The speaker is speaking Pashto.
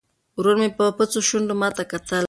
ورور مې په بوڅو شونډو ماته کتل.